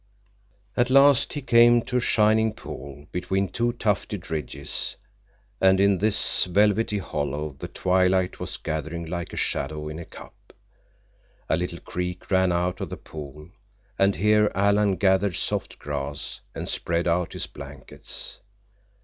At last he came to a shining pool between two tufted ridges, and in this velvety hollow the twilight was gathering like a shadow in a cup. A little creek ran out of the pool, and here Alan gathered soft grass and spread out his blankets.